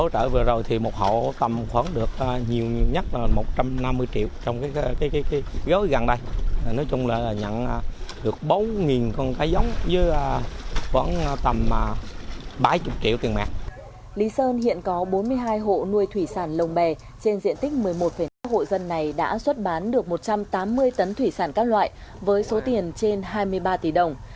trên diện tích một mươi một năm hội dân này đã xuất bán được một trăm tám mươi tấn thủy sản các loại với số tiền trên hai mươi ba tỷ đồng